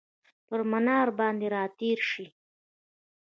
پر مناره باندې راتیرشي،